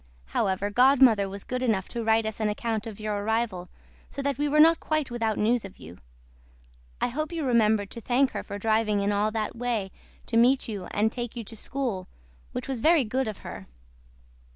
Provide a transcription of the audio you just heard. HOWEVER GODMOTHER WAS GOOD ENOUGH TO WRITE US AN ACCOUNT OF YOUR ARRIVAL SO THAT WE WERE NOT QUITE WITHOUT NEWS OF YOU. I HOPE YOU REMEMBERED TO THANK HER FOR DRIVING IN ALL THAT WAY TO MEET YOU AND TAKE YOU TO SCHOOL WHICH WAS VERY GOOD OF HER.